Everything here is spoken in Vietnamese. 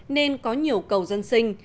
nên có nhiều cầu dân sinh